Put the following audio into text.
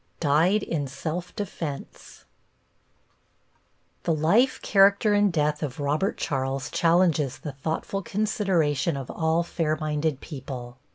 +DIED IN SELF DEFENSE+ The life, character and death of Robert Charles challenges the thoughtful consideration of all fair minded people.